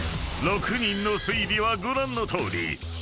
［６人の推理はご覧のとおり］